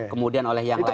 kemudian oleh yang lain